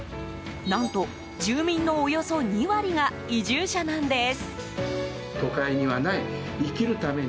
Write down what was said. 何と、住民のおよそ２割が移住者なんです。